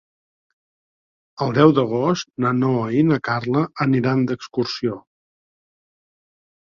El deu d'agost na Noa i na Carla aniran d'excursió.